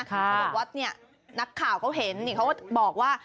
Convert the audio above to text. บอกว่านักข่าวเขาเห็นเขาบอกว่า